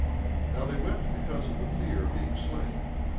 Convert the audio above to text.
17:29 Now they wept because of the fear of being slain.